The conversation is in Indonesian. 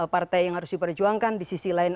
partai yang harus diperjuangkan disisi lain